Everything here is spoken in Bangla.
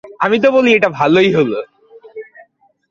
আমি তো বলি এটা ভালোই হলো।